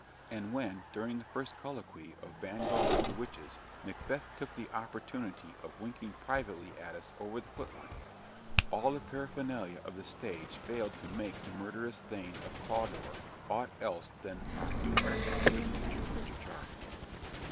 And when, during the first colloquy of Banquo with the witches, Macbeth took the opportunity of winking privately at us over the foot lights, all the paraphernalia of the stage failed to make the murderous Thane of Cawdor aught else than our humorous and good natured Mr. Charles.